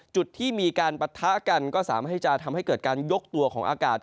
จุดที่มีการปะทะกันก็สามารถให้จะทำให้เกิดการยกตัวของอากาศ